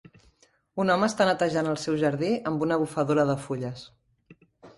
Un home està netejant el seu jardí amb una bufadora de fulles